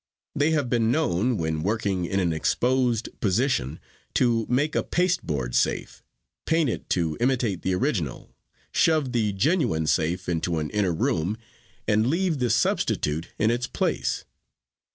They have been known, when working in an exposed position, to make a pasteboard safe, paint it to imitate the original, shove the genuine safe into an inner room and leave the substitute in its place.